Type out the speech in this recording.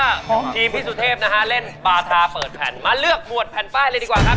อันนี้จะเล่นปราธาเปิดแผ่นมาเลือกหมวดแผ่นปลายเลยดีกว่าครับ